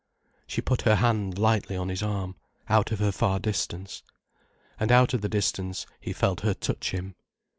She put her hand lightly on his arm, out of her far distance. And out of the distance, he felt her touch him.